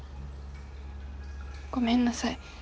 ごめんなさい